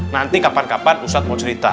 nanti kapan kapan ustadz mau cerita